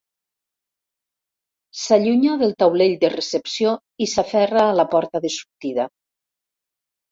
S'allunya del taulell de recepció i s'aferra a la porta de sortida.